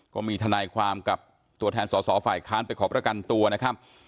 ก็มีทนายความกับตัวแทนสอสอฝ่ายค้านไปขอประกันตัวนะครับ